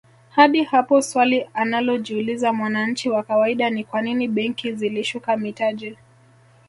Hadi hapo swali analojiuliza mwananchi wa kawaida ni kwanini benki zilishuka mitaji